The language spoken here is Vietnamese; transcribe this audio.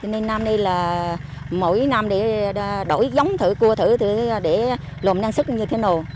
nên năm nay là mỗi năm để đổi giống thử cua thử để lùm năng sức như thế nào